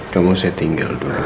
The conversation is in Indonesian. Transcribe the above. sampai jumpa lagi